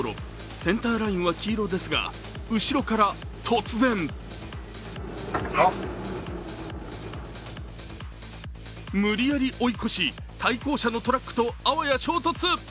センターラインは黄色ですが後ろから突然無理やり追い越し、対向車のトラックとあわや衝突。